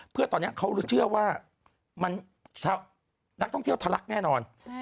เพื่อตอนนี้เขาเชื่อว่านักท่องเที่ยวทะลักแน่นอน